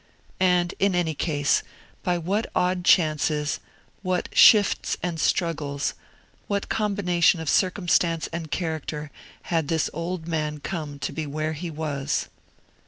And, in any case, by what odd chances, what shifts and struggles, what combinations of circumstance and character, had this old man come to be where he was?